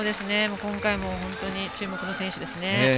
今回も本当に注目の選手です。